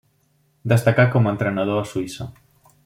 Destacà com a entrenador a Suïssa.